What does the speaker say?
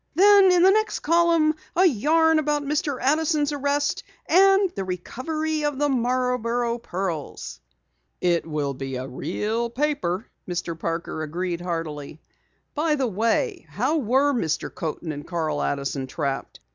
Then, in the next column, a yarn about Mr. Addison's arrest, and the recovery of the Marborough pearls." "It will be a real paper," Mr. Parker agreed heartily. "By the way, how were Mr. Coaten and Carl Addison trapped?